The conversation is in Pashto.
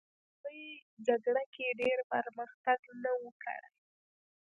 ما په لومړۍ جګړه کې ډېر پرمختګ نه و کړی